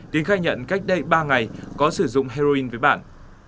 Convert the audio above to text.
tín khai nhận cách đây ba ngày có sử dụng heroin với bạn